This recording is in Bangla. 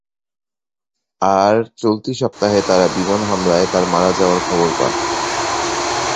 আর, চলতি সপ্তাহে তাঁরা বিমান হামলায় তাঁর মারা যাওয়ার খবর পান।